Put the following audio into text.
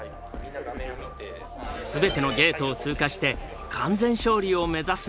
全てのゲートを通過して完全勝利を目指すが。